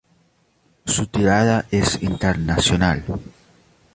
Su tirada es internacional.